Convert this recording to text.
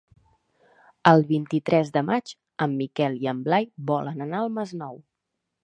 El vint-i-tres de maig en Miquel i en Blai volen anar al Masnou.